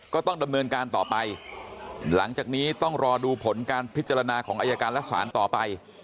ก็ต้องดำเนินการต่อไปหลังจากนี้ต้องรอดูผลการพิจารณาของอายการและศาลต่อไป